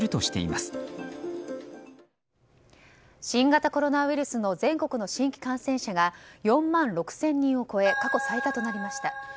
新型コロナウイルスの全国の新規感染者が４万６０００人を超え過去最多となりました。